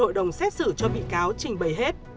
hội đồng xét xử cho bị cáo trình bày hết